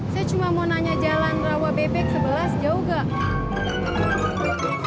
saya cuma mau nanya jalan rawabebek sebelas jauh gak